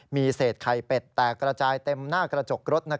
มีเศษไข่เป็ดแตกระจายเต็มหน้ากระจกรถ